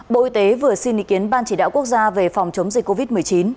bộ y tế vừa xin ý kiến ban chỉ đạo quốc gia về phòng chống dịch covid một mươi chín